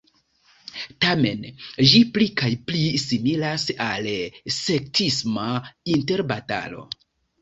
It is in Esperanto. Tamen ĝi pli kaj pli similas al sektisma interbatalo.